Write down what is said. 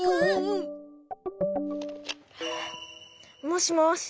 もしもし。